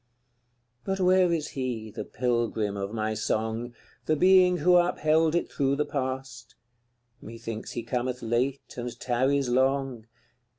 CLXIV. But where is he, the pilgrim of my song, The being who upheld it through the past? Methinks he cometh late and tarries long.